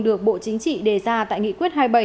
được bộ chính trị đề ra tại nghị quyết hai mươi bảy